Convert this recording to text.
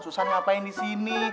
susan ngapain di sini